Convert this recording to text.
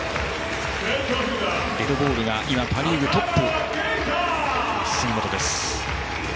デッドボールが今パ・リーグでトップの杉本。